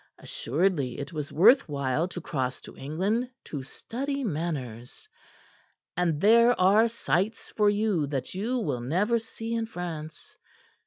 Assuredly, it was worth while to cross to England to study manners. And there are sights for you that you will never see in France.